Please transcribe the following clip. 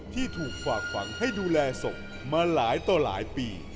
ที่ถูกฝากฝังให้ดูแลศพมาหลายต่อหลายปี